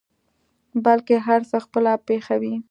بلکې هر څه خپله پېښوي.